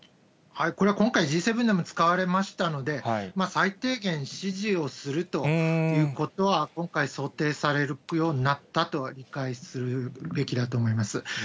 これは今回、Ｇ７でも使われましたので、最低限支持をするということは、今回想定されるようになったと理解するべきだと思います。